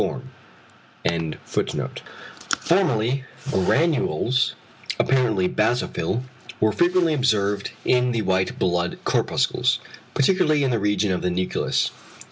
Formerly granules, apparently basophil, were frequently observed in the white blood corpuscles, particularly in the region of the nucleus.